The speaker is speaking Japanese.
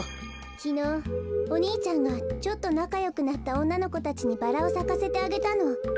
きのうお兄ちゃんがちょっとなかよくなったおんなのこたちにバラをさかせてあげたの。